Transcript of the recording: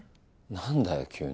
何だよ急に。